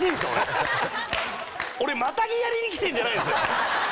俺マタギやりに来てるんじゃないんですよ。